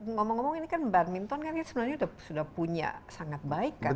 ngomong ngomong ini kan badminton kan sebenarnya sudah punya sangat baik kan